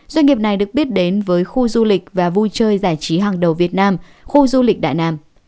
doanh nghiệp này được biết đến với khu du lịch và vui chơi giải trí hàng đầu việt nam khu du lịch đại nam